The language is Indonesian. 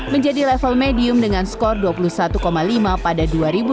menjadi level medium dengan skor dua puluh satu lima pada dua ribu dua puluh